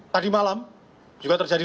tadi malam juga terjadi